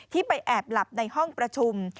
ไปแอบหลับในห้องประชุม